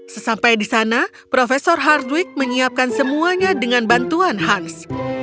sesampai di sana profesor hardwig menyiapkan semuanya dengan bantuan hans